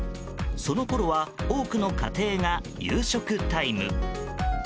そのころは多くの家庭が夕食タイム。